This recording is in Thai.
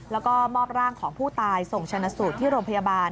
แล้วก็มอบร่างของผู้ตายส่งชนะสูตรที่โรงพยาบาล